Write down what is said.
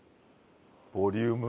ボリューム。